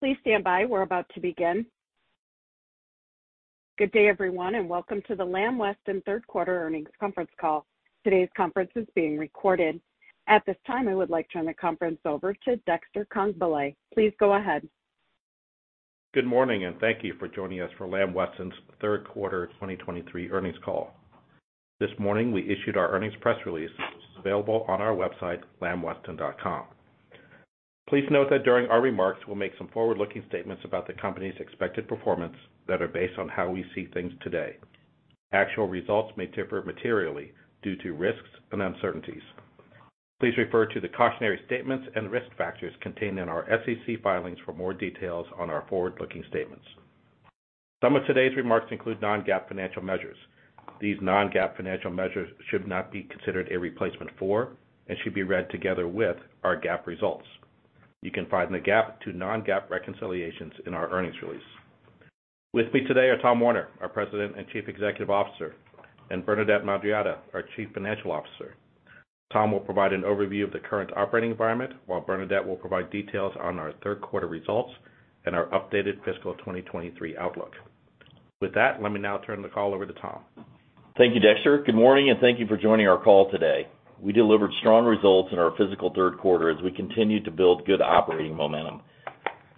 Please stand by. We're about to begin. Good day, everyone, and welcome to the Lamb Weston third quarter earnings conference call. Today's conference is being recorded. At this time, I would like to turn the conference over to Dexter Congbalay. Please go ahead. Good morning, and thank you for joining us for Lamb Weston's third quarter 2023 earnings call. This morning, we issued our earnings press release, which is available on our website, lambweston.com. Please note that during our remarks, we'll make some forward-looking statements about the company's expected performance that are based on how we see things today. Actual results may differ materially due to risks and uncertainties. Please refer to the cautionary statements and risk factors contained in our SEC filings for more details on our forward-looking statements. Some of today's remarks include non-GAAP financial measures. These non-GAAP financial measures should not be considered a replacement for and should be read together with our GAAP results. You can find the GAAP to non-GAAP reconciliations in our earnings release. With me today are Tom Werner, our President and Chief Executive Officer, and Bernadette Madarieta, our Chief Financial Officer. Tom will provide an overview of the current operating environment, while Bernadette will provide details on our third quarter results and our updated fiscal 2023 outlook. With that, let me now turn the call over to Tom. Thank you, Dexter. Good morning. Thank you for joining our call today. We delivered strong results in our physical third quarter as we continued to build good operating momentum.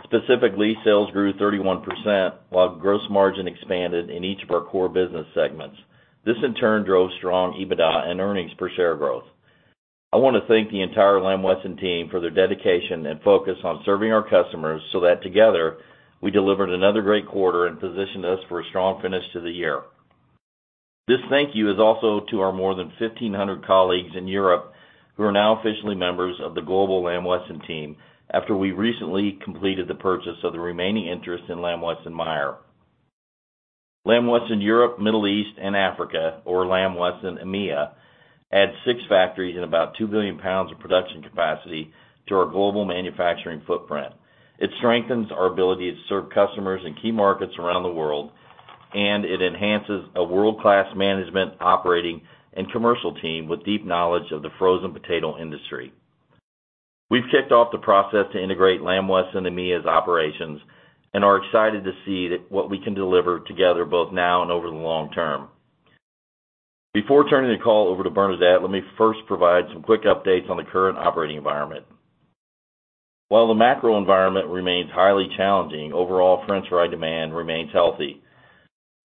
Specifically, sales grew 31%, while gross margin expanded in each of our core business segments. This, in turn, drove strong EBITDA and earnings per share growth. I want to thank the entire Lamb Weston team for their dedication and focus on serving our customers so that together, we delivered another great quarter and positioned us for a strong finish to the year. This thank you is also to our more than 1,500 colleagues in Europe who are now officially members of the global Lamb Weston team after we recently completed the purchase of the remaining interest in Lamb Weston / Meijer. Lamb Weston Europe, Middle East, and Africa, or Lamb Weston EMEA, adds six factories and about 2 billion pounds of production capacity to our global manufacturing footprint. It strengthens our ability to serve customers in key markets around the world. It enhances a world-class management, operating, and commercial team with deep knowledge of the frozen potato industry. We've kicked off the process to integrate Lamb Weston EMEA's operations and are excited to see what we can deliver together both now and over the long term. Before turning the call over to Bernadette, let me first provide some quick updates on the current operating environment. While the macro environment remains highly challenging, overall French fry demand remains healthy.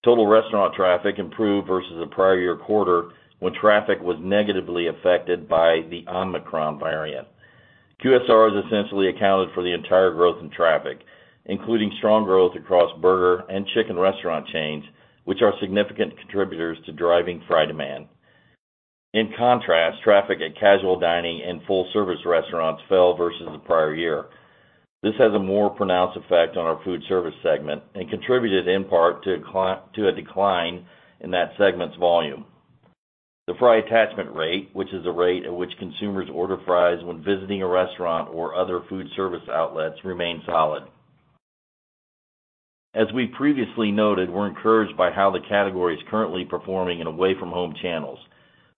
Total restaurant traffic improved versus the prior year quarter, when traffic was negatively affected by the Omicron variant. QSR has essentially accounted for the entire growth in traffic, including strong growth across burger and chicken restaurant chains, which are significant contributors to driving fry demand. In contrast, traffic at casual dining and full-service restaurants fell versus the prior year. This has a more pronounced effect on our food service segment and contributed in part to a decline in that segment's volume. The fry attachment rate, which is the rate at which consumers order fries when visiting a restaurant or other food service outlets, remains solid. As we previously noted, we're encouraged by how the category is currently performing in away from home channels,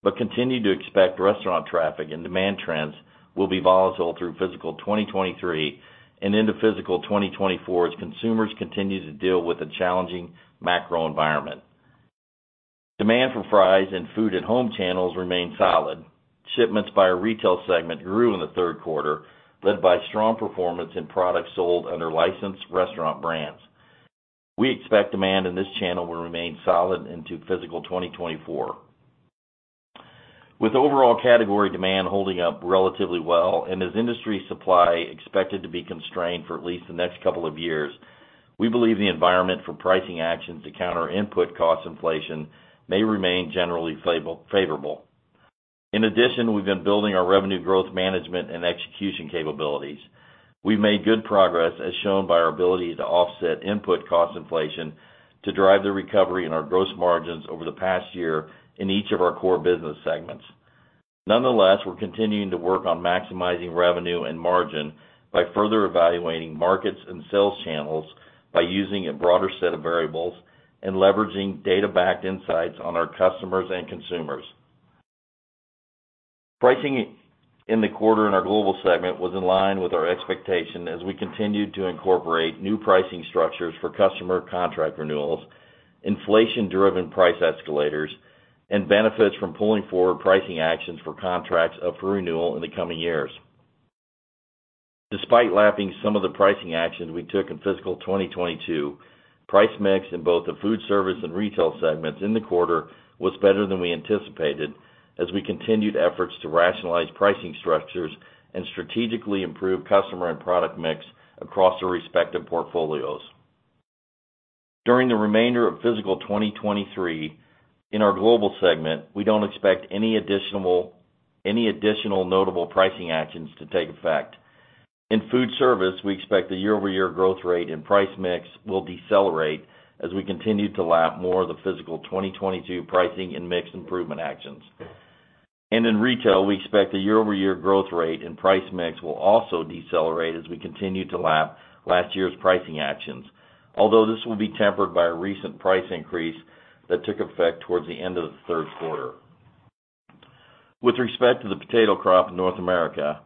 but continue to expect restaurant traffic and demand trends will be volatile through fiscal 2023 and into fiscal 2024 as consumers continue to deal with a challenging macro environment. Demand for fries and food at home channels remain solid. Shipments by our retail segment grew in the third quarter, led by strong performance in products sold under licensed restaurant brands. We expect demand in this channel will remain solid into fiscal 2024. With overall category demand holding up relatively well and as industry supply expected to be constrained for at least the next couple of years, we believe the environment for pricing actions to counter input cost inflation may remain generally favorable. In addition, we've been building our revenue growth management and execution capabilities. We've made good progress, as shown by our ability to offset input cost inflation to drive the recovery in our gross margins over the past year in each of our core business segments. Nonetheless, we're continuing to work on maximizing revenue and margin by further evaluating markets and sales channels by using a broader set of variables and leveraging data-backed insights on our customers and consumers. Pricing in the quarter in our global segment was in line with our expectation as we continued to incorporate new pricing structures for customer contract renewals, inflation-driven price escalators, and benefits from pulling forward pricing actions for contracts up for renewal in the coming years. Despite lapping some of the pricing actions we took in fiscal 2022, price/mix in both the foodservice and retail segments in the quarter was better than we anticipated as we continued efforts to rationalize pricing structures and strategically improve customer and product mix across the respective portfolios. During the remainder of fiscal 2023, in our global segment, we don't expect any additional notable pricing actions to take effect. In foodservice, we expect the year-over-year growth rate and price/mix will decelerate as we continue to lap more of the fiscal 2022 pricing and mix improvement actions. In retail, we expect the year-over-year growth rate and price/mix will also decelerate as we continue to lap last year's pricing actions, although this will be tempered by a recent price increase that took effect towards the end of the third quarter. With respect to the potato crop in North America,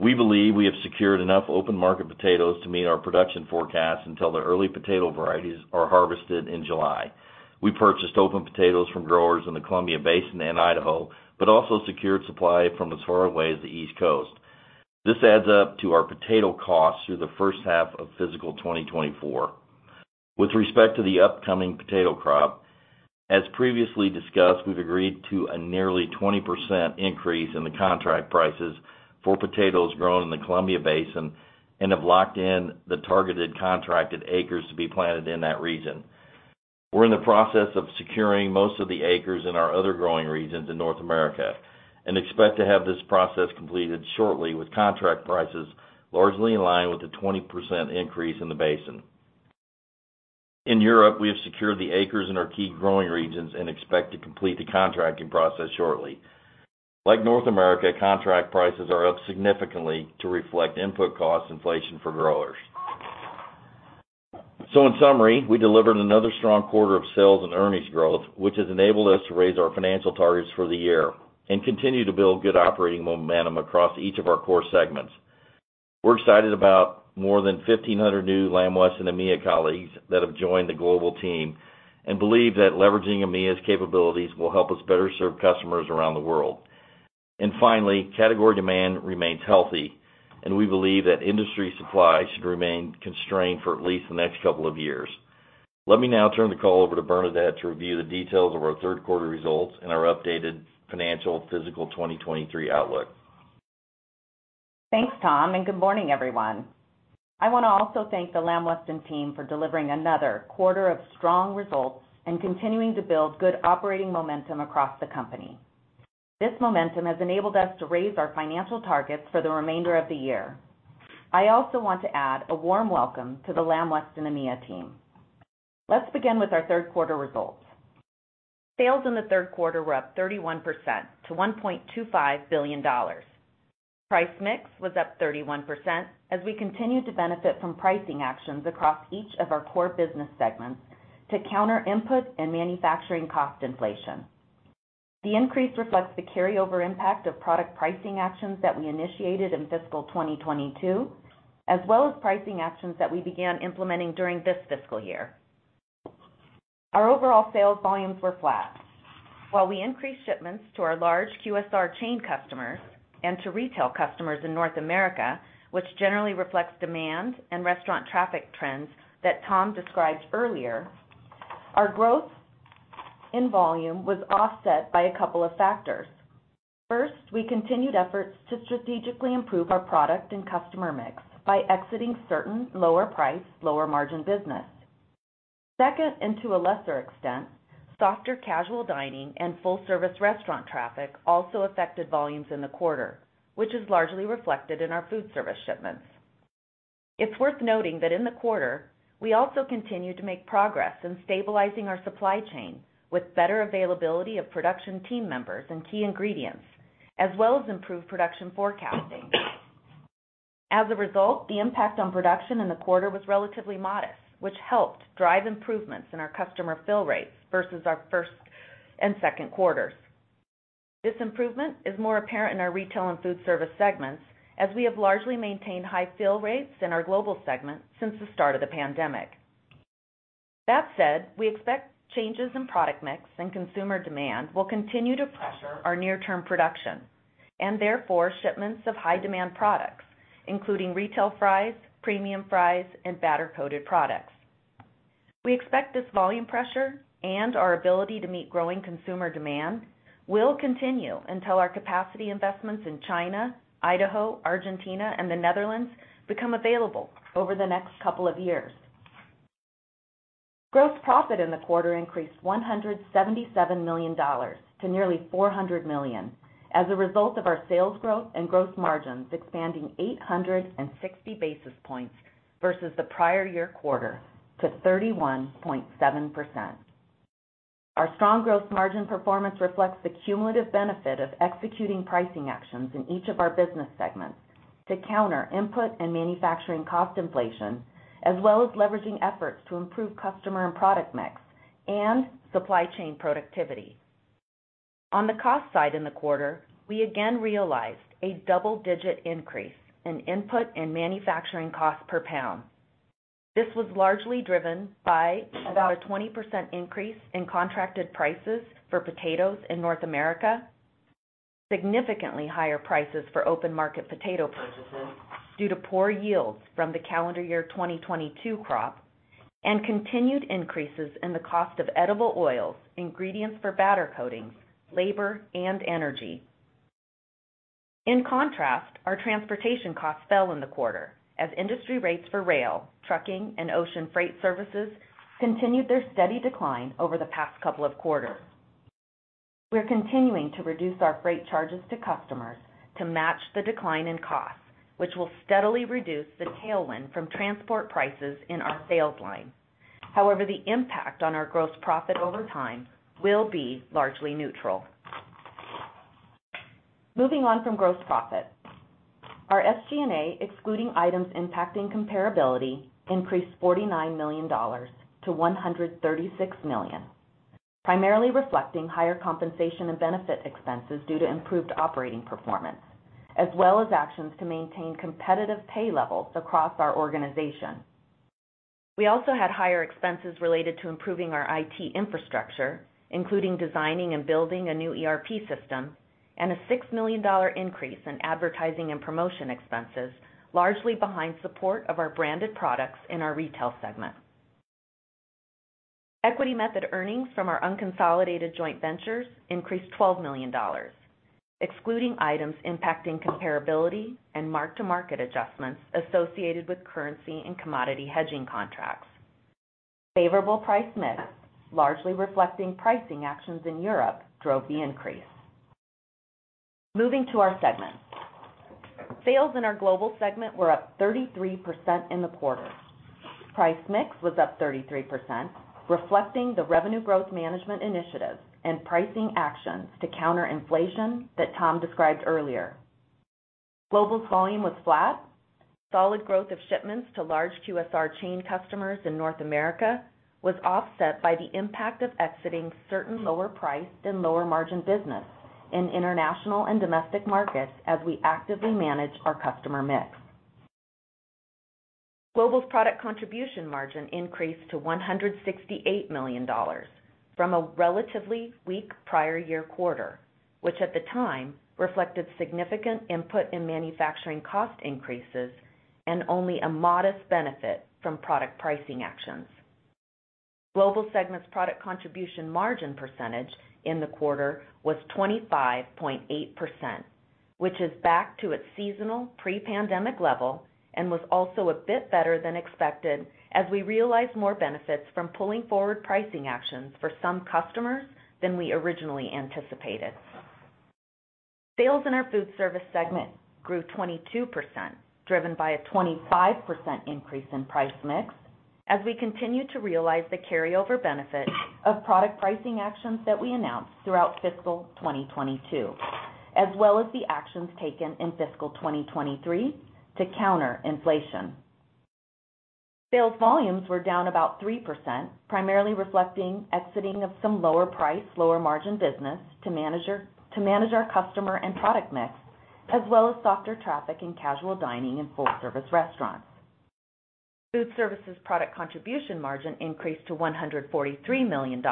we believe we have secured enough open market potatoes to meet our production forecast until the early potato varieties are harvested in July. We purchased open potatoes from growers in the Columbia Basin and Idaho, but also secured supply from as far away as the East Coast. This adds up to our potato costs through the first half of fiscal 2024. With respect to the upcoming potato crop, as previously discussed, we've agreed to a nearly 20% increase in the contract prices for potatoes grown in the Columbia Basin and have locked in the targeted contracted acres to be planted in that region. We're in the process of securing most of the acres in our other growing regions in North America and expect to have this process completed shortly, with contract prices largely in line with the 20% increase in the Basin. In Europe, we have secured the acres in our key growing regions and expect to complete the contracting process shortly. Like North America, contract prices are up significantly to reflect input cost inflation for growers. In summary, we delivered another strong quarter of sales and earnings growth, which has enabled us to raise our financial targets for the year and continue to build good operating momentum across each of our core segments. We're excited about more than 1,500 new Lamb Weston EMEA colleagues that have joined the global team and believe that leveraging EMEA's capabilities will help us better serve customers around the world. Finally, category demand remains healthy, and we believe that industry supply should remain constrained for at least the next couple of years. Let me now turn the call over to Bernadette Madarieta to review the details of our third quarter results and our updated financial fiscal 2023 outlook. Thanks, Tom. Good morning, everyone. I want to also thank the Lamb Weston team for delivering another quarter of strong results and continuing to build good operating momentum across the company. This momentum has enabled us to raise our financial targets for the remainder of the year. I also want to add a warm welcome to the Lamb Weston EMEA team. Let's begin with our third quarter results. Sales in the third quarter were up 31% to $1.25 billion. Price/mix was up 31% as we continued to benefit from pricing actions across each of our core business segments to counter input and manufacturing cost inflation. The increase reflects the carryover impact of product pricing actions that we initiated in fiscal 2022, as well as pricing actions that we began implementing during this fiscal year. Our overall sales volumes were flat. While we increased shipments to our large QSR chain customers and to retail customers in North America, which generally reflects demand and restaurant traffic trends that Tom described earlier, our growth in volume was offset by a couple of factors. First, we continued efforts to strategically improve our product and customer mix by exiting certain lower price, lower margin business. Second, and to a lesser extent, softer casual dining and full-service restaurant traffic also affected volumes in the quarter, which is largely reflected in our food service shipments. It's worth noting that in the quarter, we also continued to make progress in stabilizing our supply chain with better availability of production team members and key ingredients, as well as improved production forecasting. As a result, the impact on production in the quarter was relatively modest, which helped drive improvements in our customer fill rates versus our first and second quarters. This improvement is more apparent in our retail and foodservice segments, as we have largely maintained high fill rates in our global segment since the start of the pandemic. We expect changes in product mix and consumer demand will continue to pressure our near-term production and therefore shipments of high demand products, including retail fries, premium fries, and batter-coated products. We expect this volume pressure and our ability to meet growing consumer demand will continue until our capacity investments in China, Idaho, Argentina, and the Netherlands become available over the next couple of years. Gross profit in the quarter increased $177 million to nearly $400 million as a result of our sales growth and growth margins expanding 860 basis points versus the prior year quarter to 31.7%. Our strong gross margin performance reflects the cumulative benefit of executing pricing actions in each of our business segments to counter input and manufacturing cost inflation, as well as leveraging efforts to improve customer and product mix and supply chain productivity. On the cost side in the quarter, we again realized a double-digit increase in input and manufacturing cost per pound. This was largely driven by about a 20% increase in contracted prices for potatoes in North America, significantly higher prices for open market potato purchases due to poor yields from the calendar year 2022 crop, and continued increases in the cost of edible oils, ingredients for batter coatings, labor, and energy. In contrast, our transportation costs fell in the quarter as industry rates for rail, trucking, and ocean freight services continued their steady decline over the past couple of quarters. We're continuing to reduce our freight charges to customers to match the decline in costs, which will steadily reduce the tailwind from transport prices in our sales line. The impact on our gross profit over time will be largely neutral. Moving on from gross profit. Our SG&A, excluding items impacting comparability, increased $49 million-$136 million, primarily reflecting higher compensation and benefit expenses due to improved operating performance, as well as actions to maintain competitive pay levels across our organization. We also had higher expenses related to improving our IT infrastructure, including designing and building a new ERP system and a $6 million increase in advertising and promotion expenses, largely behind support of our branded products in our retail segment. Equity method earnings from our unconsolidated joint ventures increased $12 million, excluding items impacting comparability and mark-to-market adjustments associated with currency and commodity hedging contracts. Favorable price/mix, largely reflecting pricing actions in Europe drove the increase. Moving to our segments. Sales in our global segment were up 33% in the quarter. Price/mix was up 33%, reflecting the revenue growth management initiatives and pricing actions to counter inflation that Tom described earlier. Global's volume was flat. Solid growth of shipments to large QSR chain customers in North America was offset by the impact of exiting certain lower price and lower margin business in international and domestic markets as we actively manage our customer mix. Global's product contribution margin increased to $168 million from a relatively weak prior year quarter, which at the time reflected significant input in manufacturing cost increases and only a modest benefit from product pricing actions. Global segment's product contribution margin percentage in the quarter was 25.8%, which is back to its seasonal pre-pandemic level and was also a bit better than expected as we realized more benefits from pulling forward pricing actions for some customers than we originally anticipated. Sales in our foodservice segment grew 22%, driven by a 25% increase in price/mix as we continue to realize the carryover benefit of product pricing actions that we announced throughout fiscal 2022, as well as the actions taken in fiscal 2023 to counter inflation. Sales volumes were down about 3%, primarily reflecting exiting of some lower price, lower margin business to manage our customer and product mix, as well as softer traffic in casual dining and full service restaurants. Food services product contribution margin increased to $143 million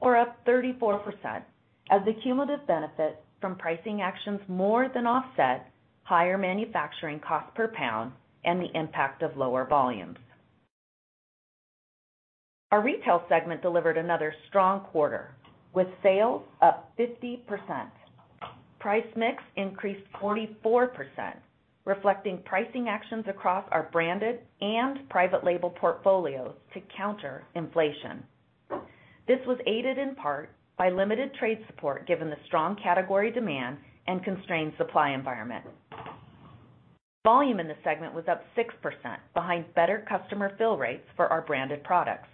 or up 34% as the cumulative benefit from pricing actions more than offset higher manufacturing cost per pound and the impact of lower volumes. Our retail segment delivered another strong quarter with sales up 50%. Price/mix increased 44%, reflecting pricing actions across our branded and private label portfolios to counter inflation. This was aided in part by limited trade support given the strong category demand and constrained supply environment. Volume in the segment was up 6% behind better customer fill rates for our branded products.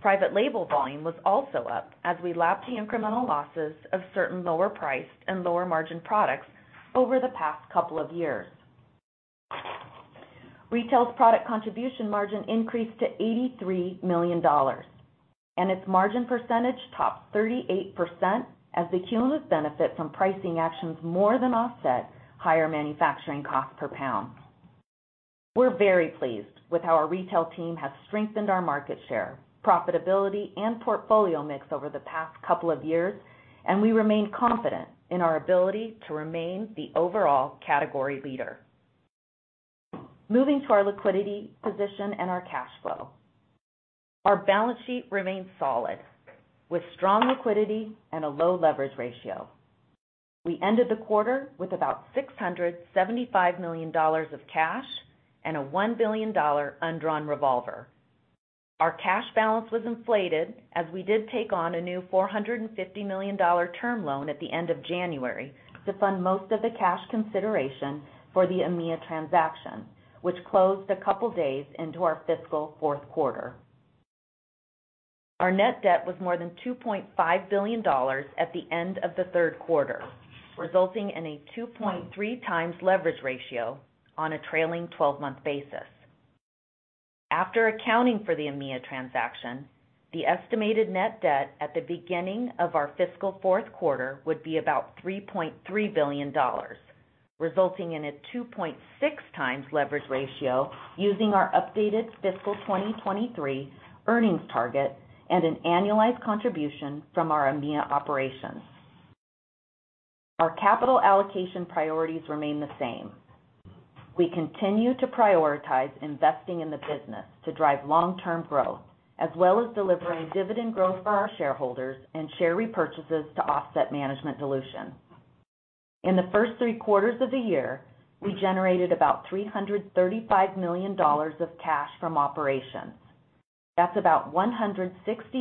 Private label volume was also up as we lapped the incremental losses of certain lower priced and lower margin products over the past couple of years. Retail's product contribution margin increased to $83 million, and its margin percentage topped 38% as the cumulative benefit from pricing actions more than offset higher manufacturing cost per pound. We're very pleased with how our retail team has strengthened our market share, profitability, and portfolio mix over the past couple of years, and we remain confident in our ability to remain the overall category leader. Moving to our liquidity position and our cash flow. Our balance sheet remains solid with strong liquidity and a low leverage ratio. We ended the quarter with about $675 million of cash and a $1 billion undrawn revolver. Our cash balance was inflated as we did take on a new $450 million term loan at the end of January to fund most of the cash consideration for the EMEA transaction, which closed a couple of days into our fiscal fourth quarter. Our net debt was more than $2.5 billion at the end of the third quarter, resulting in a 2.3 times leverage ratio on a trailing twelve-month basis. After accounting for the EMEA transaction, the estimated net debt at the beginning of our fiscal fourth quarter would be about $3.3 billion, resulting in a 2.6 times leverage ratio using our updated fiscal 2023 earnings target and an annualized contribution from our EMEA operations. Our capital allocation priorities remain the same. We continue to prioritize investing in the business to drive long-term growth, as well as delivering dividend growth for our shareholders and share repurchases to offset management dilution. In the first three quarters of the year, we generated about $335 million of cash from operations. That's about $160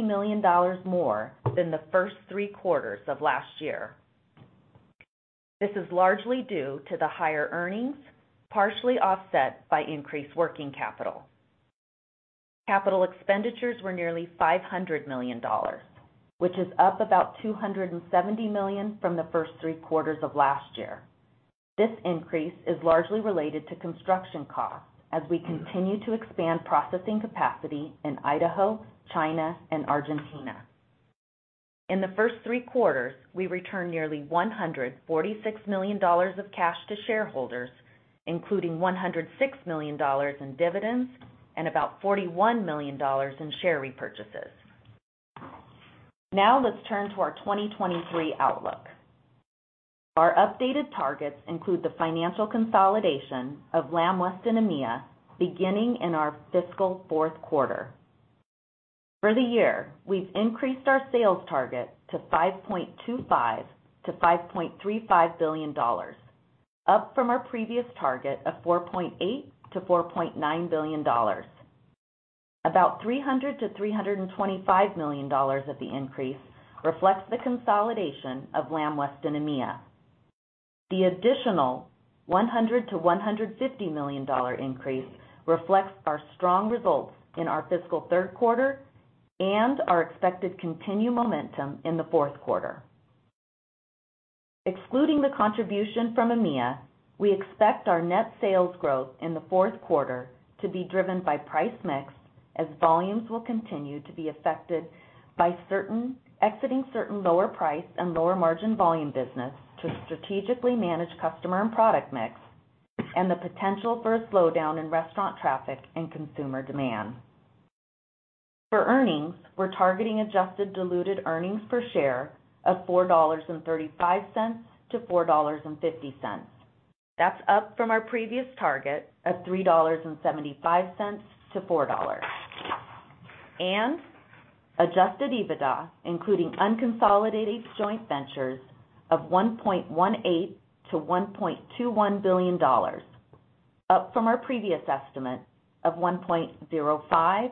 million more than the first three quarters of last year. This is largely due to the higher earnings, partially offset by increased working capital. Capital expenditures were nearly $500 million, which is up about $270 million from the first three quarters of last year. This increase is largely related to construction costs as we continue to expand processing capacity in Idaho, China, and Argentina. In the first three quarters, we returned nearly $146 million of cash to shareholders, including $106 million in dividends and about $41 million in share repurchases. Let's turn to our 2023 outlook. Our updated targets include the financial consolidation of Lamb Weston EMEA beginning in our fiscal 4th quarter. For the year, we've increased our sales target to $5.25 billion-$5.35 billion, up from our previous target of $4.8 billion-$4.9 billion. About $300 million-$325 million of the increase reflects the consolidation of Lamb Weston EMEA. The additional $100 million-$150 million increase reflects our strong results in our fiscal 3rd quarter and our expected continued momentum in the 4th quarter. Excluding the contribution from EMEA, we expect our net sales growth in the fourth quarter to be driven by price/mix, as volumes will continue to be affected by exiting certain lower price and lower margin volume business to strategically manage customer and product mix and the potential for a slowdown in restaurant traffic and consumer demand. For earnings, we're targeting adjusted diluted earnings per share of $4.35-$4.50. That's up from our previous target of $3.75-$4.00. Adjusted EBITDA, including unconsolidated joint ventures of $1.18 billion-$1.21 billion, up from our previous estimate of $1.05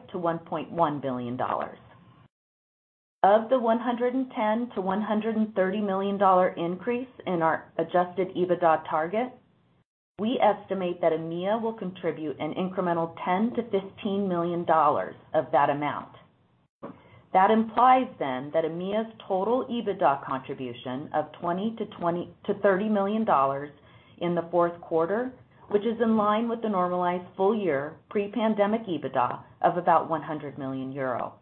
billion-$1.1 billion. Of the $110 million-$130 million increase in our adjusted EBITDA target, we estimate that EMEA will contribute an incremental $10 million-$15 million of that amount. That implies that EMEA's total EBITDA contribution of $20 million-$30 million in the fourth quarter, which is in line with the normalized full year pre-pandemic EBITDA of about 100 million euro.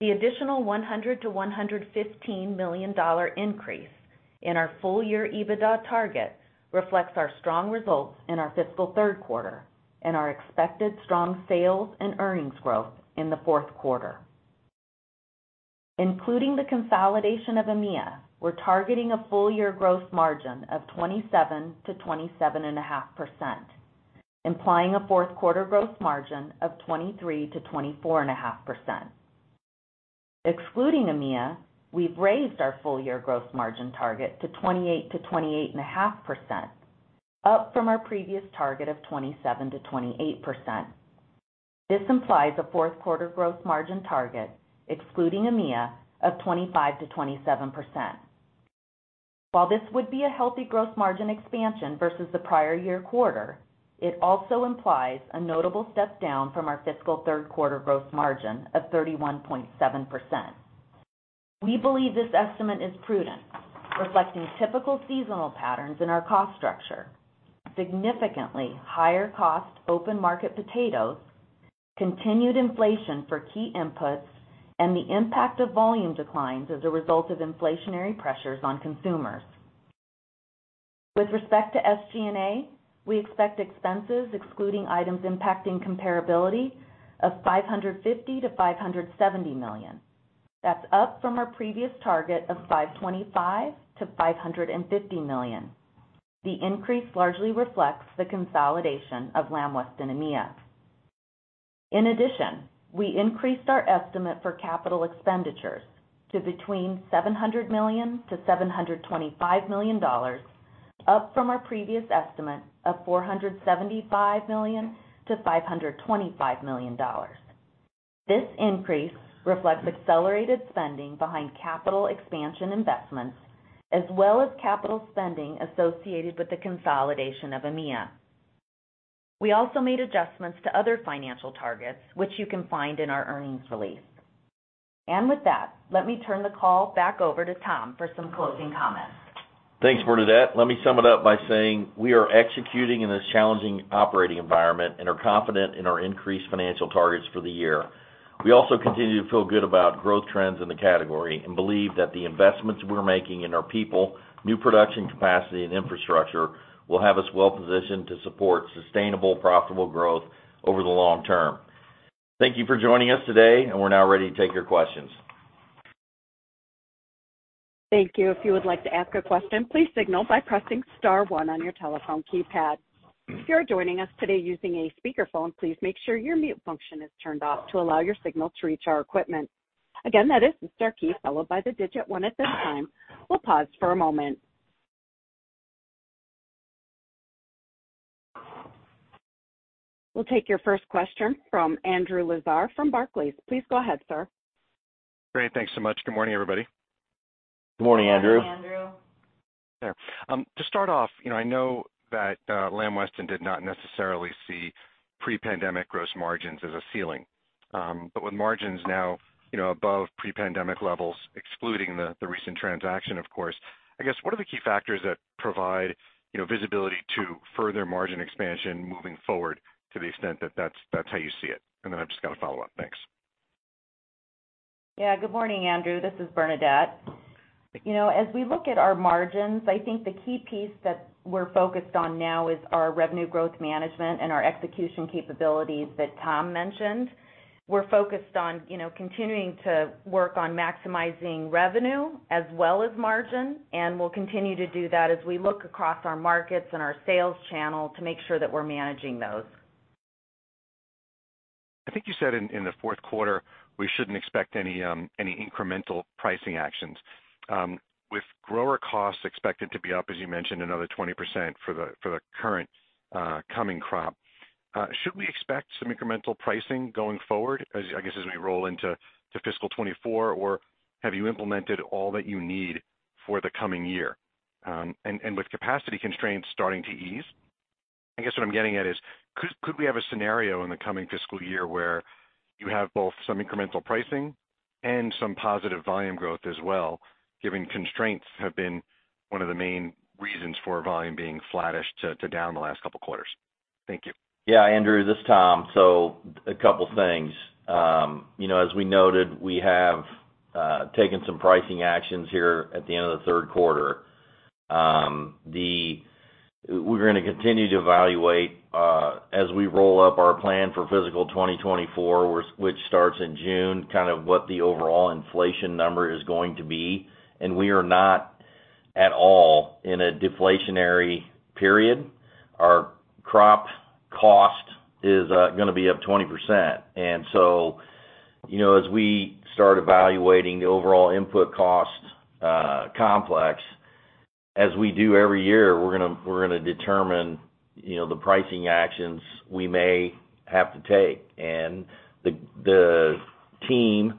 The additional $100 million-$115 million increase in our full year EBITDA target reflects our strong results in our fiscal third quarter and our expected strong sales and earnings growth in the fourth quarter. Including the consolidation of EMEA, we're targeting a full year growth margin of 27%-27.5%, implying a fourth quarter growth margin of 23%-24.5%. Excluding EMEA, we've raised our full year growth margin target to 28%-28.5%, up from our previous target of 27%-28%. This implies a fourth quarter growth margin target, excluding EMEA, of 25%-27%. While this would be a healthy growth margin expansion versus the prior year quarter, it also implies a notable step down from our fiscal third quarter growth margin of 31.7%. We believe this estimate is prudent, reflecting typical seasonal patterns in our cost structure, significantly higher cost open market potatoes, continued inflation for key inputs, and the impact of volume declines as a result of inflationary pressures on consumers. With respect to SG&A, we expect expenses excluding items impacting comparability of $550 million-$570 million. That's up from our previous target of $525 million-$550 million. The increase largely reflects the consolidation of Lamb Weston EMEA. In addition, we increased our estimate for capital expenditures to between $700 million-$725 million, up from our previous estimate of $475 million-$525 million. This increase reflects accelerated spending behind capital expansion investments as well as capital spending associated with the consolidation of EMEA. We also made adjustments to other financial targets, which you can find in our earnings release. With that, let me turn the call back over to Tom for some closing comments. Thanks, Bernadette. Let me sum it up by saying we are executing in this challenging operating environment and are confident in our increased financial targets for the year. We also continue to feel good about growth trends in the category and believe that the investments we're making in our people, new production capacity, and infrastructure will have us well positioned to support sustainable, profitable growth over the long term. Thank you for joining us today, and we're now ready to take your questions. Thank you. If you would like to ask a question, please signal by pressing star one on your telephone keypad. If you are joining us today using a speakerphone, please make sure your mute function is turned off to allow your signal to reach our equipment. Again, that is star key followed by the digit one. At this time, we'll pause for a moment. We'll take your first question from Andrew Lazar from Barclays. Please go ahead, sir. Great. Thanks so much. Good morning, everybody. Good morning, Andrew. Yeah. To start off, you know, I know that Lamb Weston did not necessarily see pre-pandemic gross margins as a ceiling. With margins now, you know, above pre-pandemic levels, excluding the recent transaction, of course, I guess, what are the key factors that provide, you know, visibility to further margin expansion moving forward to the extent that that's how you see it? I've just got a follow-up. Thanks. Yeah. Good morning, Andrew. This is Bernadette. You know, as we look at our margins, I think the key piece that we're focused on now is our revenue growth management and our execution capabilities that Tom mentioned. We're focused on, you know, continuing to work on maximizing revenue as well as margin, and we'll continue to do that as we look across our markets and our sales channel to make sure that we're managing those. I think you said in the fourth quarter, we shouldn't expect any incremental pricing actions. With grower costs expected to be up, as you mentioned, another 20% for the current coming crop, should we expect some incremental pricing going forward as, I guess, as we roll into the fiscal 2024, or have you implemented all that you need for the coming year? With capacity constraints starting to ease, I guess, what I'm getting at is could we have a scenario in the coming fiscal year where you have both some incremental pricing and some positive volume growth as well, given constraints have been one of the main reasons for volume being flattish to down the last couple of quarters? Thank you. Andrew, this is Tom. A couple things. you know, as we noted, we have taken some pricing actions here at the end of the third quarter. We're gonna continue to evaluate, as we roll up our plan for fiscal 2024, which starts in June, kind of what the overall inflation number is going to be. We are not at all in a deflationary period. Our crop cost is gonna be up 20%. you know, as we start evaluating the overall input cost complex, as we do every year, we're gonna determine, you know, the pricing actions we may have to take. The, the team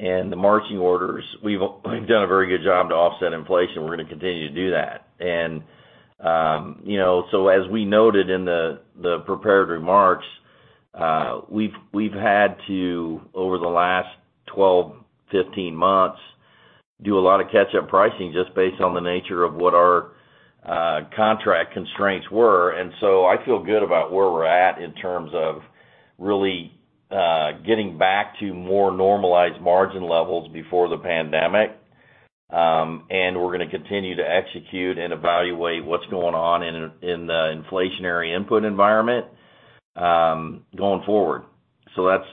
and the marching orders, we've done a very good job to offset inflation. We're gonna continue to do that. You know, as we noted in the prepared remarks, we've had to, over the last 12-15 months, do a lot of catch-up pricing just based on the nature of what our contract constraints were. I feel good about where we're at in terms of really getting back to more normalized margin levels before the pandemic. We're gonna continue to execute and evaluate what's going on in the inflationary input environment going forward. That's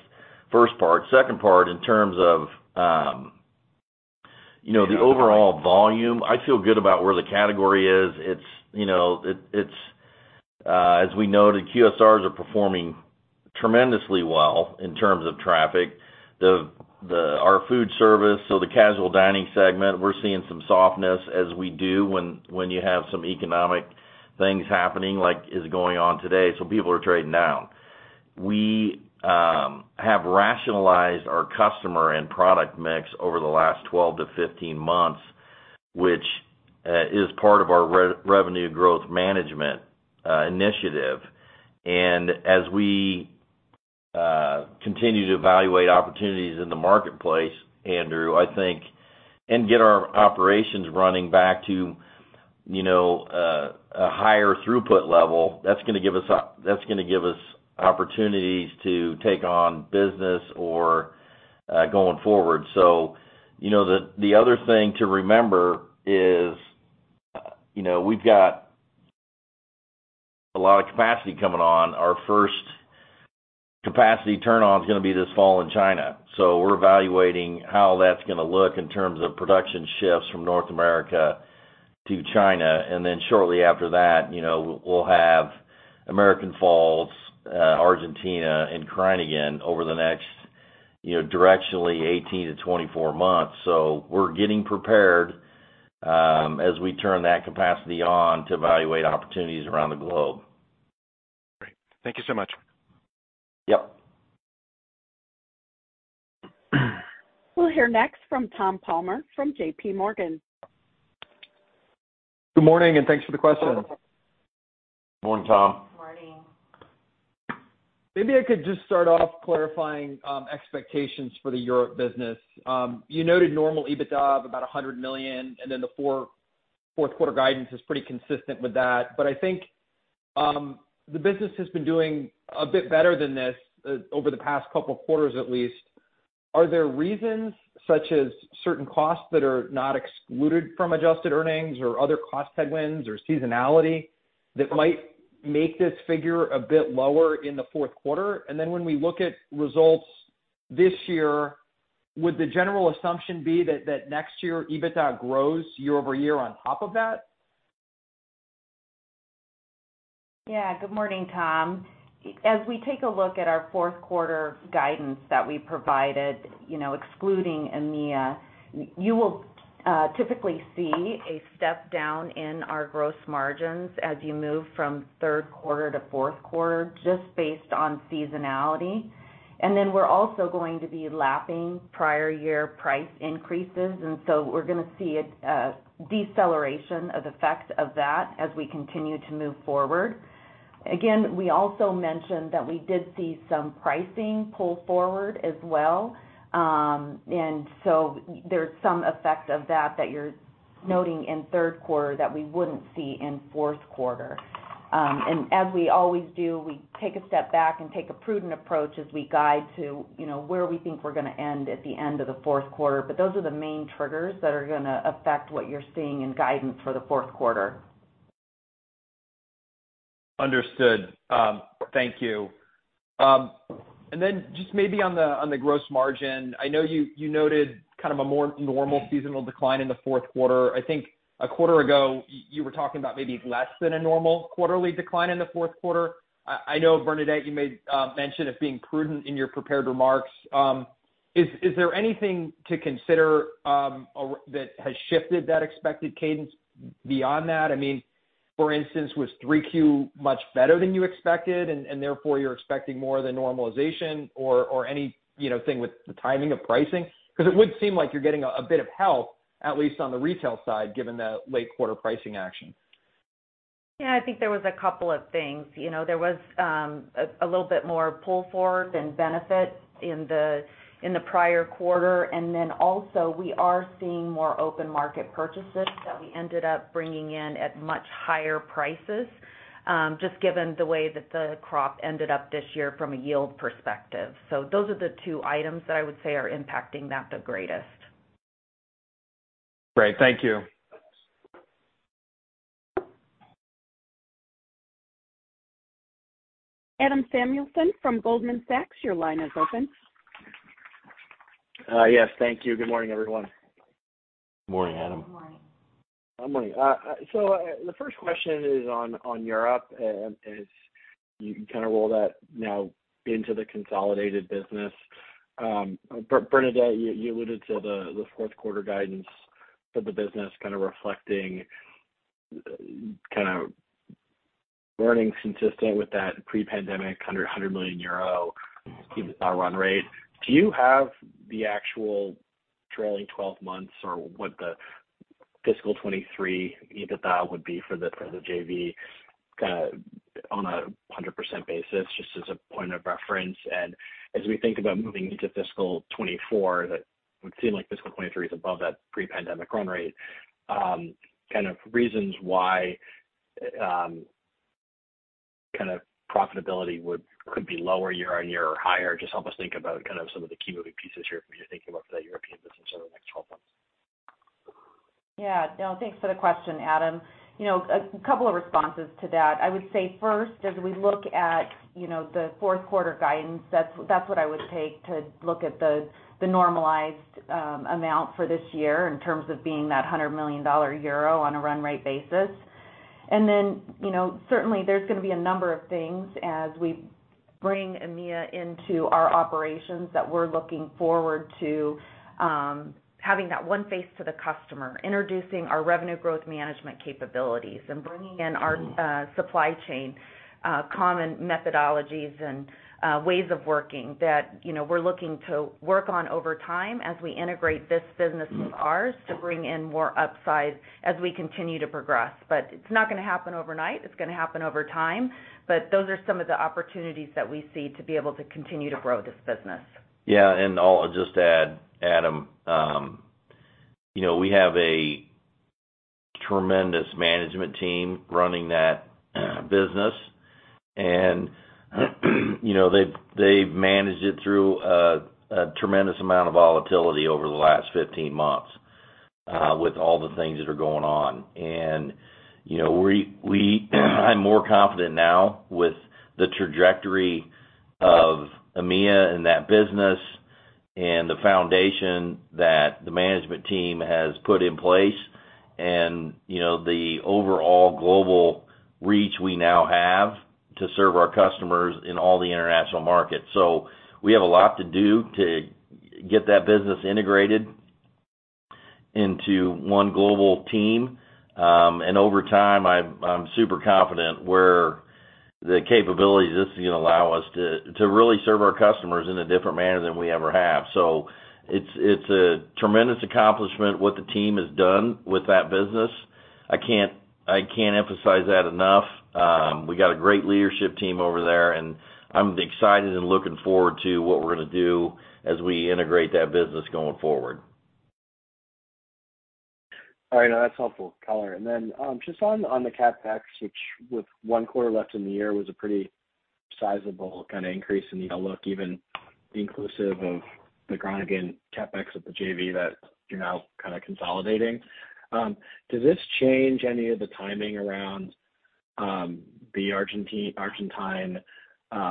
first part. Second part, in terms of, you know, the overall volume, I feel good about where the category is. It's, you know, it's as we noted, QSRs are performing tremendously well in terms of traffic. Our food service, so the casual dining segment, we're seeing some softness as we do when you have some economic things happening like is going on today, so people are trading down. We have rationalized our customer and product mix over the last 12 to 15 months, which is part of our re-revenue growth management initiative. As we continue to evaluate opportunities in the marketplace, Andrew, I think, and get our operations running back to, you know, a higher throughput level, that's gonna give us opportunities to take on business or going forward. You know, the other thing to remember is, you know, we've got a lot of capacity coming on. Our first capacity turn on is gonna be this fall in China. We're evaluating how that's gonna look in terms of production shifts from North America to China. Shortly after that, you know, we'll have American Falls, Argentina and Kruiningen over the next, you know, directionally 18 to 24 months. We're getting prepared as we turn that capacity on to evaluate opportunities around the globe. Great. Thank you so much. Yep. We'll hear next from Tom Palmer from JPMorgan. Good morning, thanks for the question. Good morning, Tom. Maybe I could just start off clarifying expectations for the Europe business. You noted normal EBITDA of about 100 million, and then the fourth quarter guidance is pretty consistent with that. I think the business has been doing a bit better than this over the past couple of quarters, at least. Are there reasons such as certain costs that are not excluded from adjusted earnings or other cost headwinds or seasonality that might make this figure a bit lower in the fourth quarter? When we look at results this year, would the general assumption be that next year, EBITDA grows year-over-year on top of that? Good morning, Tom. As we take a look at our 4th quarter guidance that we provided, you know, excluding EMEA, you will typically see a step down in our gross margins as you move from 3rd quarter to 4th quarter just based on seasonality. Then we're also going to be lapping prior year price increases, so we're gonna see a deceleration of effects of that as we continue to move forward. Again, we also mentioned that we did see some pricing pull forward as well. So there's some effect of that that you're noting in 3rd quarter that we wouldn't see in 4th quarter. As we always do, we take a step back and take a prudent approach as we guide to, you know, where we think we're gonna end at the end of the 4th quarter. Those are the main triggers that are gonna affect what you're seeing in guidance for the fourth quarter. Understood. Thank you. Then just maybe on the gross margin, I know you noted kind of a more normal seasonal decline in the fourth quarter. I think a quarter ago, you were talking about maybe less than a normal quarterly decline in the fourth quarter. I know Bernadette, you made mention of being prudent in your prepared remarks. Is there anything to consider that has shifted that expected cadence beyond that? I mean, for instance, was 3Q much better than you expected and therefore you're expecting more of the normalization or any, you know, thing with the timing of pricing? It would seem like you're getting a bit of help, at least on the retail side, given the late quarter pricing action. I think there was a couple of things. You know, there was a little bit more pull forward and benefit in the prior quarter. Also we are seeing more open market purchases that we ended up bringing in at much higher prices, just given the way that the crop ended up this year from a yield perspective. Those are the two items that I would say are impacting that the greatest. Great. Thank you. Adam Samuelson from Goldman Sachs, your line is open. Yes, thank you. Good morning, everyone. Morning, Adam. Morning. Morning. The first question is on Europe, as you kind of roll that now into the consolidated business. Bernadette, you alluded to the fourth quarter guidance for the business kind of reflecting kind of earnings consistent with that pre-pandemic 100 million euro EBITDA run rate. Do you have the actual trailing 12 months or what the fiscal 2023 EBITDA would be for the JV kind of on a 100% basis, just as a point of reference? As we think about moving into fiscal 2024, that would seem like fiscal 2023 is above that pre-pandemic run rate, kind of reasons why kind of profitability could be lower year-on-year or higher. Just help us think about kind of some of the key moving pieces here when you're thinking about the European business over the next 12 months. Yeah. No, thanks for the question, Adam. You know, a couple of responses to that. I would say first, as we look at, you know, the fourth quarter guidance, that's what I would take to look at the normalized amount for this year in terms of being that 100 million euro on a run rate basis. You know, certainly there's gonna be a number of things as we bring EMEA into our operations that we're looking forward to, having that one face to the customer, introducing our revenue growth management capabilities and bringing in our supply chain common methodologies and ways of working that, you know, we're looking to work on over time as we integrate this business with ours to bring in more upside as we continue to progress. It's not gonna happen overnight. It's gonna happen over time. Those are some of the opportunities that we see to be able to continue to grow this business. Yeah. I'll just add, Adam, you know, we have a tremendous management team running that business, and, you know, they've managed it through a tremendous amount of volatility over the last 15 months, with all the things that are going on. You know, I'm more confident now with the trajectory of EMEA and that business and the foundation that the management team has put in place and, you know, the overall global reach we now have to serve our customers in all the international markets. We have a lot to do to get that business integrated into one global team. Over time, I'm super confident where the capabilities, this is gonna allow us to really serve our customers in a different manner than we ever have. It's a tremendous accomplishment what the team has done with that business. I can't emphasize that enough. We got a great leadership team over there, and I'm excited and looking forward to what we're gonna do as we integrate that business going forward. All right. No, that's helpful color. Then, just on the CapEx, which with one quarter left in the year, was a pretty sizable kind of increase in the outlook, even inclusive of the Gronigen CapEx of the JV that you're now kind of consolidating. Does this change any of the timing around, the Argentine,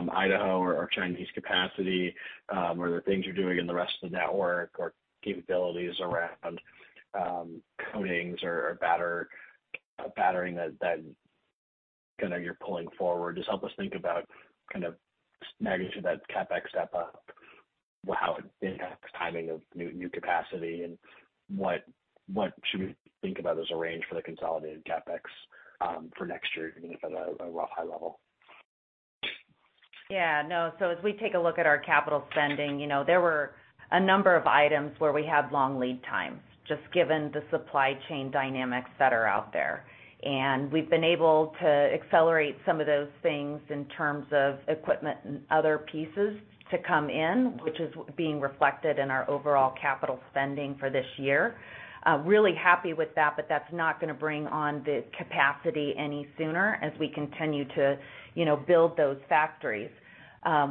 Idaho or Chinese capacity, or the things you're doing in the rest of the network or capabilities around, coatings or battering that kind of you're pulling forward? Just help us think about kind of magnitude that CapEx step up, how it impacts timing of new capacity, and what should we think about as a range for the consolidated CapEx, for next year, even if at a rough high level? Yeah. No. As we take a look at our capital spending, you know, there were a number of items where we had long lead times, just given the supply chain dynamics that are out there. We've been able to accelerate some of those things in terms of equipment and other pieces to come in, which is being reflected in our overall capital spending for this year. Really happy with that, but that's not gonna bring on the capacity any sooner as we continue to, you know, build those factories.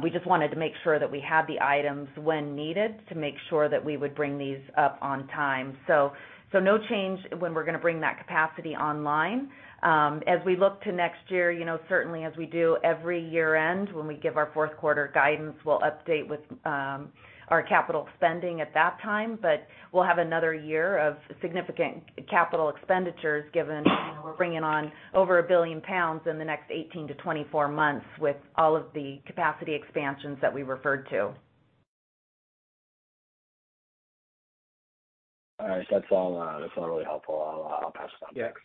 We just wanted to make sure that we had the items when needed to make sure that we would bring these up on time. No change when we're gonna bring that capacity online. As we look to next year, you know, certainly as we do every year-end when we give our fourth quarter guidance, we'll update with our capital spending at that time. We'll have another year of significant capital expenditures given we're bringing on over 1 billion pounds in the next 18-24 months with all of the capacity expansions that we referred to. All right. That's all. That's all really helpful. I'll pass it on, thanks.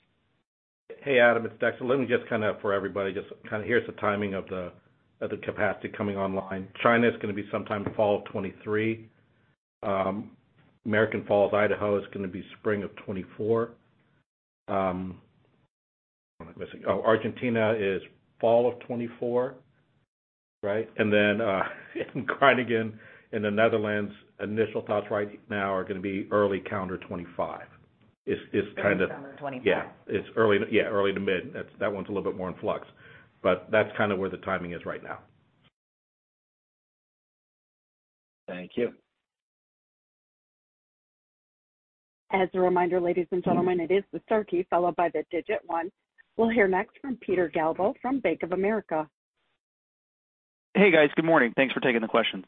Yeah. Hey, Adam, it's Dexter. Let me just kind of for everybody, just kind of here's the timing of the capacity coming online. China is gonna be sometime fall of 2023. American Falls, Idaho, is gonna be spring of 2024. What am I missing? Oh, Argentina is fall of 2024, right? Then in Kruiningen, in the Netherlands, initial thoughts right now are gonna be early calendar 2025. It's kind of- Early calendar 2025. Yeah, early to mid. That one's a little bit more in flux, but that's kind of where the timing is right now. Thank you. As a reminder, ladies and gentlemen, it is the star key followed by the digit one. We'll hear next from Peter Galbo from Bank of America. Hey, guys. Good morning. Thanks for taking the questions.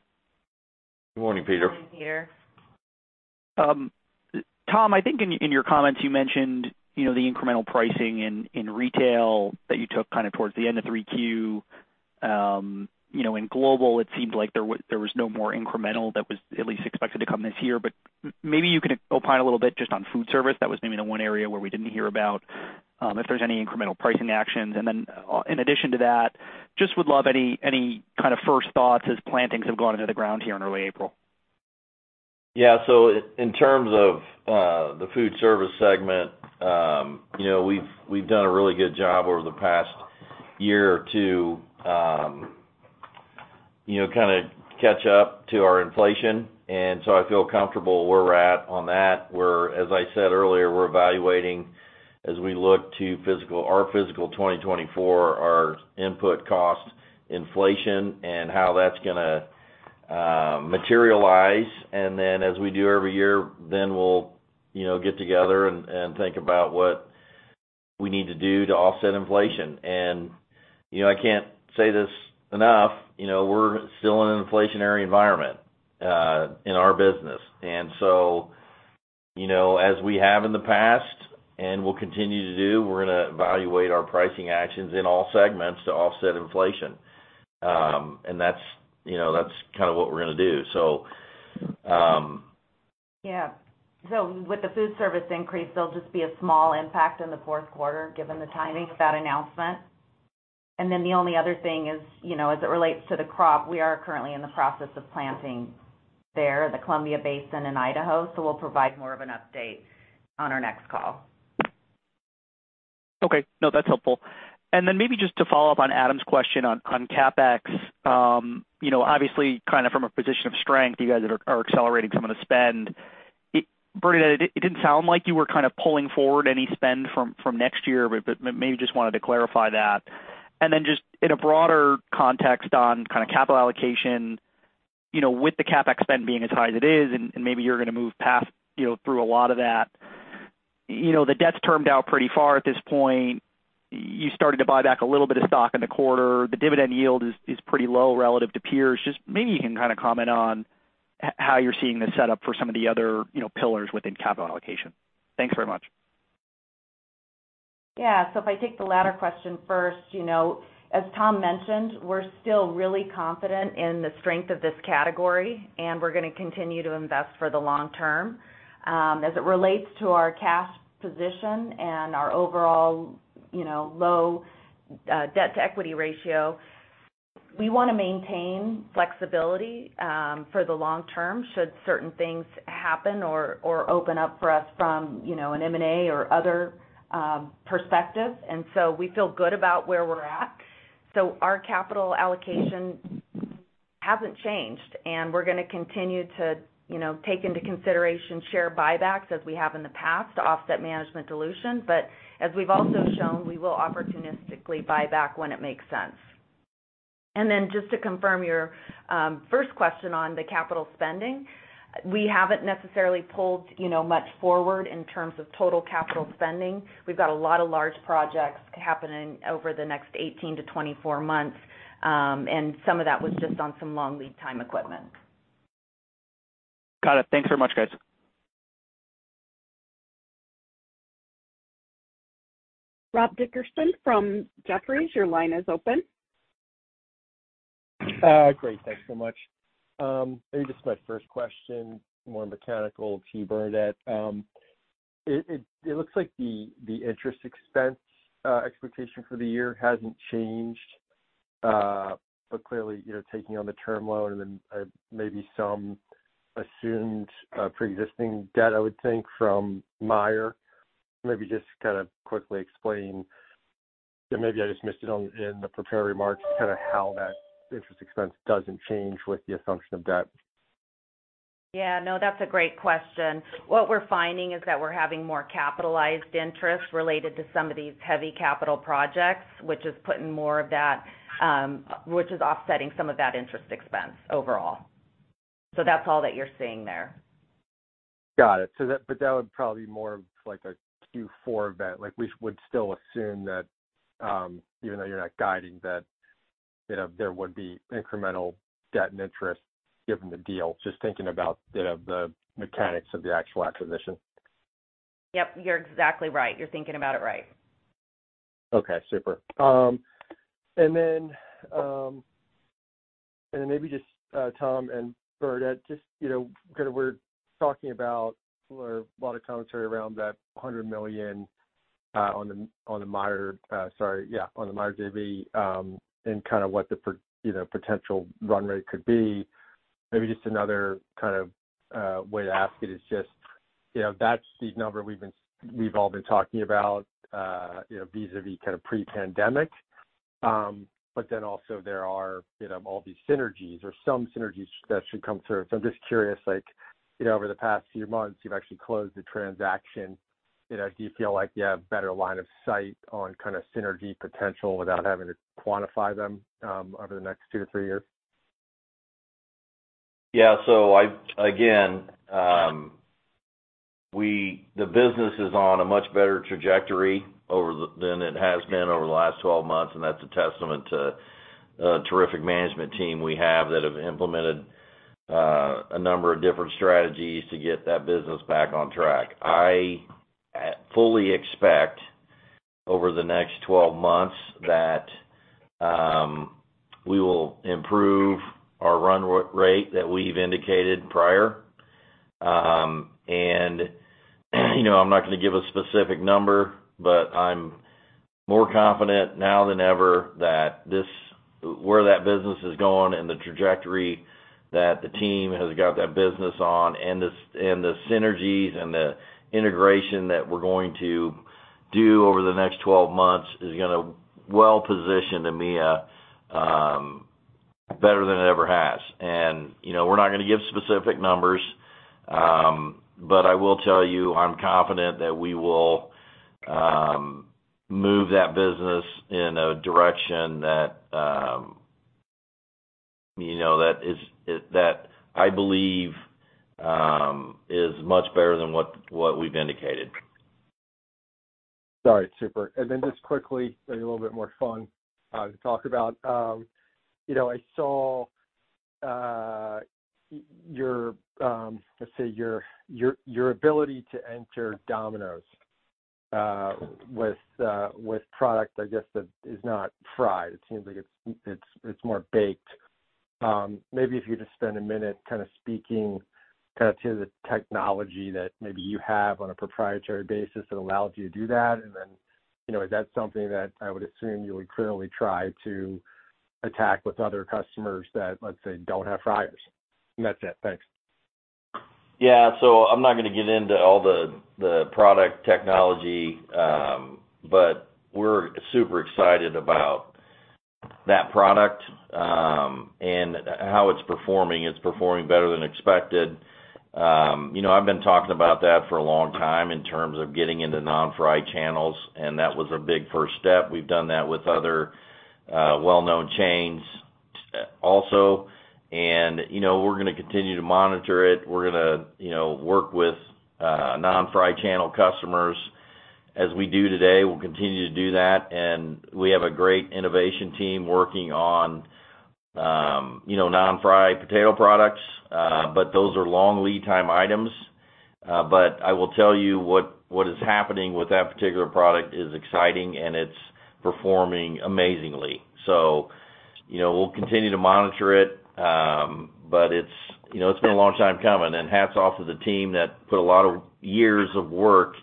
Good morning, Peter. Good morning, Peter. Tom, I think in your comments you mentioned, you know, the incremental pricing in retail that you took kind of towards the end of 3Q. You know, in global, it seemed like there was no more incremental that was at least expected to come this year. Maybe you can opine a little bit just on food service. That was maybe the one area where we didn't hear about, if there's any incremental pricing actions. Then, in addition to that, just would love any kind of first thoughts as plantings have gone into the ground here in early April. Yeah. In terms of the food service segment, you know, we've done a really good job over the past year or two, you know, kind of catch up to our inflation, and so I feel comfortable where we're at on that. As I said earlier, we're evaluating as we look to our physical 2024, our input cost inflation and how that's gonna materialize. As we do every year, then we'll, you know, get together and think about what we need to do to offset inflation. You know, I can't say this enough, you know, we're still in an inflationary environment in our business. As we have in the past and will continue to do, we're gonna evaluate our pricing actions in all segments to offset inflation. That's, you know, that's kind of what we're gonna do so, Yeah. With the foodservice increase, there'll just be a small impact in the fourth quarter given the timing of that announcement. The only other thing is, you know, as it relates to the crop, we are currently in the process of planting there, the Columbia Basin in Idaho, so we'll provide more of an update on our next call. Okay. No, that's helpful. Then maybe just to follow up on Adam's question on CapEx. You know, obviously kind of from a position of strength, you guys are accelerating some of the spend. Bernadette, it didn't sound like you were kind of pulling forward any spend from next year, but maybe just wanted to clarify that. Then just in a broader context on kind of capital allocation, you know, with the CapEx spend being as high as it is, and maybe you're gonna move past, you know, through a lot of that. You know, the debt's termed out pretty far at this point. You started to buy back a little bit of stock in the quarter. The dividend yield is pretty low relative to peers. Just maybe you can kind of comment on how you're seeing this set up for some of the other, you know, pillars within capital allocation. Thanks very much. Yeah. If I take the latter question first, you know, as Tom mentioned, we're still really confident in the strength of this category, and we're gonna continue to invest for the long term. As it relates to our cash position and our overall, you know, low debt to equity ratio, we wanna maintain flexibility for the long term should certain things happen or open up for us from, you know, an M&A or other perspective. We feel good about where we're at. Our capital allocation hasn't changed, and we're gonna continue to, you know, take into consideration share buybacks as we have in the past to offset management dilution. As we've also shown, we will opportunistically buy back when it makes sense. Just to confirm your first question on the capital spending, we haven't necessarily pulled, you know, much forward in terms of total capital spending. We've got a lot of large projects happening over the next 18-24 months, and some of that was just on some long lead time equipment. Got it. Thanks very much, guys. Rob Dickerson from Jefferies, your line is open. Great. Thanks so much. Maybe just my first question, more mechanical to you, Bernadette. It looks like the interest expense expectation for the year hasn't changed. Clearly, you're taking on the term loan and then maybe some assumed pre-existing debt, I would think from Meijer. Maybe just kind of quickly explain. Yeah, maybe I just missed it in the prepared remarks, kind of how that interest expense doesn't change with the assumption of debt. Yeah, no, that's a great question. What we're finding is that we're having more capitalized interest related to some of these heavy capital projects, which is putting more of that, which is offsetting some of that interest expense overall. That's all that you're seeing there. Got it. That would probably be more of like a Q4 event. We would still assume that, even though you're not guiding that, you know, there would be incremental debt and interest given the deal. Just thinking about, you know, the mechanics of the actual acquisition. Yep, you're exactly right. You're thinking about it right. Okay, super. Maybe just, Tom Werner and Bernadette, just, you know, kind of we're talking about or a lot of commentary around that $100 million, on the, on the Meijer JV, and kind of what the, you know, potential run rate could be. Maybe just another kind of, way to ask it is just, you know, that's the number we've been, we've all been talking about, you know, vis-a-vis kind of pre-pandemic. Also there are, you know, all these synergies or some synergies that should come through. I'm just curious, like, you know, over the past few months, you've actually closed the transaction. You know, do you feel like you have better line of sight on kind of synergy potential without having to quantify them, over the next two to three years? Again, the business is on a much better trajectory than it has been over the last 12 months, and that's a testament to a terrific management team we have that have implemented a number of different strategies to get that business back on track. I fully expect over the next 12 months that we will improve our run rate that we've indicated prior. You know, I'm not gonna give a specific number, but I'm more confident now than ever that where that business is going and the trajectory that the team has got that business on and the synergies and the integration that we're going to do over the next 12 months is gonna well position EMEA better than it ever has. You know, we're not gonna give specific numbers, but I will tell you, I'm confident that we will move that business in a direction that, you know, that is that I believe, is much better than what we've indicated. Got it. Super. Just quickly, maybe a little bit more fun to talk about, you know, I saw your, let's say your, your ability to enter Domino's with product, I guess that is not fried. It seems like it's, it's more baked. Maybe if you just spend a minute kind of speaking kind of to the technology that maybe you have on a proprietary basis that allows you to do that. You know, is that something that I would assume you would clearly try to attack with other customers that, let's say, don't have fryers? That's it. Thanks. I'm not gonna get into all the product technology, but we're super excited about that product, and how it's performing. It's performing better than expected. You know, I've been talking about that for a long time in terms of getting into non-fry channels, and that was a big first step. We've done that with other, well-known chains, also. You know, we're gonna continue to monitor it. We're gonna, you know, work with, non-fry channel customers as we do today. We'll continue to do that. We have a great innovation team working on, you know, non-fry potato products, but those are long lead time items. I will tell you what is happening with that particular product is exciting, and it's performing amazingly. You know, we'll continue to monitor it, but it's, you know, it's been a long time coming. Hats off to the team that put a lot of years of work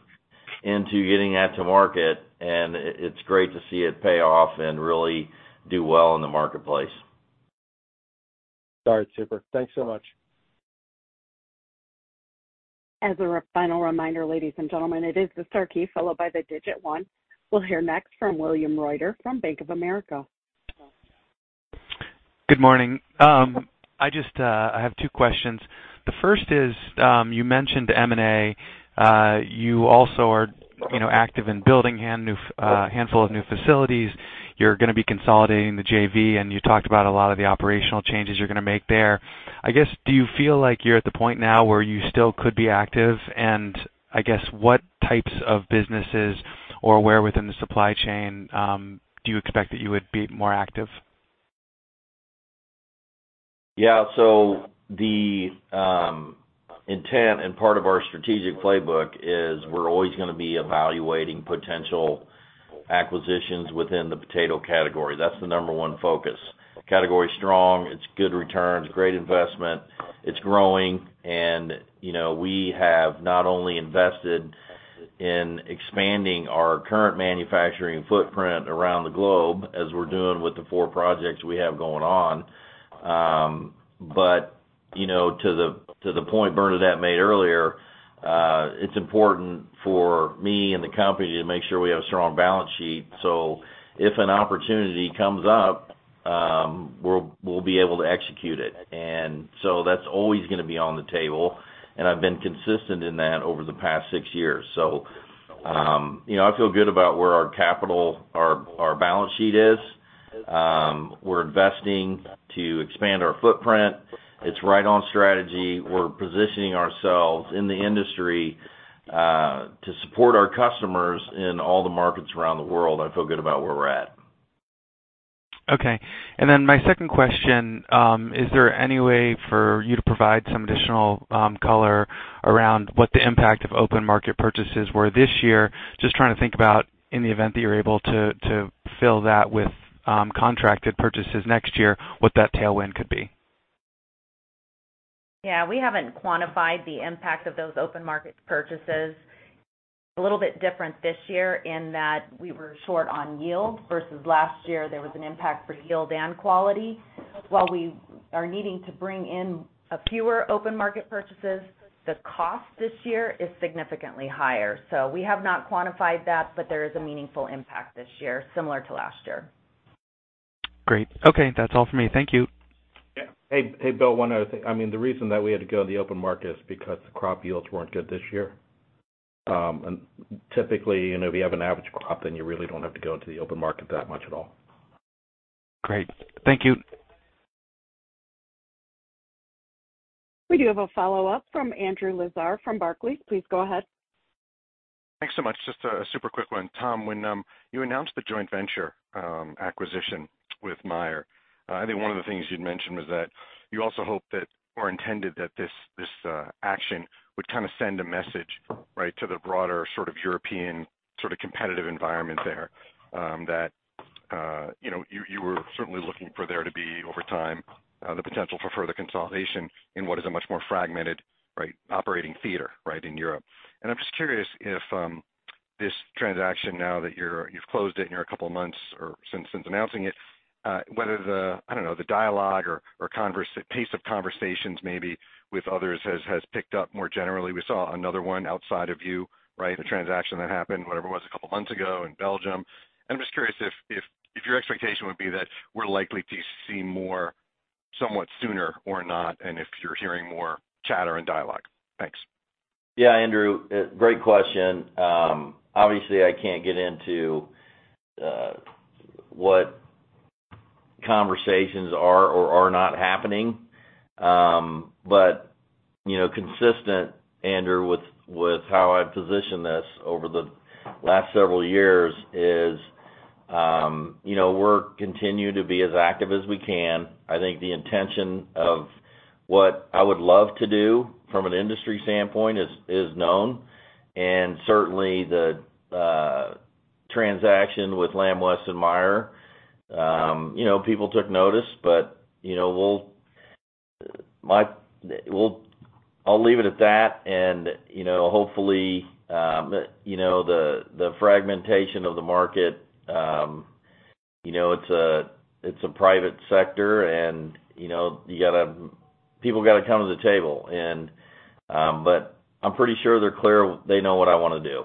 into getting that to market, and it's great to see it pay off and really do well in the marketplace. Got it. Super. Thanks so much. Final reminder, ladies and gentlemen, it is the star key followed by the 1. We'll hear next from William Reuter from Bank of America. Good morning. I just, I have two questions. The first is, you mentioned M&A. You also are, you know, active in building a handful of new facilities. You're gonna be consolidating the JV, and you talked about a lot of the operational changes you're gonna make there. I guess, do you feel like you're at the point now where you still could be active? I guess, what types of businesses or where within the supply chain, do you expect that you would be more active? Yeah. The intent and part of our strategic playbook is we're always gonna be evaluating potential acquisitions within the potato category, that's the number one focus. Category's strong, it's good returns, great investment. It's growing, and, you know, we have not only invested in expanding our current manufacturing footprint around the globe as we're doing with the projects we have going on. You know, to the point Bernadette Madarieta made earlier, it's important for me and the company to make sure we have a strong balance sheet. If an opportunity comes up, we'll be able to execute it. That's always gonna be on the table, and I've been consistent in that over the past six years. You know, I feel good about where our capital, our balance sheet is. We're investing to expand our footprint. It's right on strategy. We're positioning ourselves in the industry to support our customers in all the markets around the world. I feel good about where we're at. Okay. My second question, is there any way for you to provide some additional color around what the impact of open market purchases were this year? Just trying to think about in the event that you're able to fill that with contracted purchases next year, what that tailwind could be. We haven't quantified the impact of those open market purchases. A little bit different this year in that we were short on yield versus last year, there was an impact for yield and quality. While we are needing to bring in a fewer open market purchases, the cost this year is significantly higher. We have not quantified that, but there is a meaningful impact this year, similar to last year. Great. Okay. That's all for me. Thank you. Yeah. Hey, hey, Bill, one other thing. I mean, the reason that we had to go to the open market is because the crop yields weren't good this year. Typically, you know, if you have an average crop, then you really don't have to go into the open market that much at all. Great. Thank you. We do have a follow-up from Andrew Lazar from Barclays. Please go ahead. Thanks so much. Just a super quick one. Tom, when you announced the joint venture acquisition with Meijer, I think one of the things you'd mentioned was that you also hope that or intended that this action would kind of send a message, right, to the broader sort of European, sort of competitive environment there. That, you know, you were certainly looking for there to be over time, the potential for further consolidation in what is a much more fragmented, right, operating theater, right, in Europe. I'm just curious if this transaction now that you've closed it and you're a couple of months or since announcing it, whether the, I don't know, the dialogue or converse-- pace of conversations maybe with others has picked up more generally. We saw another one outside of you, right? The transaction that happened, whatever it was, a couple of months ago in Belgium. I'm just curious if your expectation would be that we're likely to see more somewhat sooner or not, and if you're hearing more chatter and dialogue. Thanks. Yeah, Andrew, great question. Obviously, I can't get into what conversations are or are not happening. You know, consistent, Andrew, with how I've positioned this over the last several years is, you know, we're continuing to be as active as we can. I think the intention of what I would love to do from an industry standpoint is known. Certainly, the transaction with Lamb Weston and Meijer, you know, people took notice, I'll leave it at that and, you know, hopefully, you know, the fragmentation of the market, you know, it's a, it's a private sector and, you know, you gotta, people gotta come to the table and, I'm pretty sure they're clear they know what I wanna do.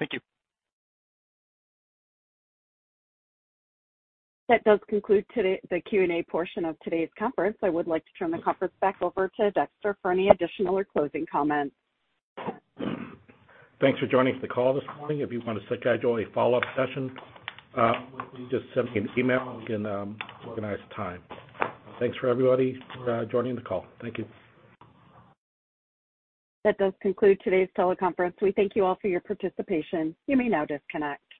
Thank you. That does conclude today the Q&A portion of today's conference. I would like to turn the conference back over to Dexter for any additional or closing comments. Thanks for joining for the call this morning. If you want to schedule a follow-up session, please just send me an email, and we can organize a time. Thanks for everybody for joining the call. Thank you. That does conclude today's teleconference. We thank you all for your participation. You may now disconnect.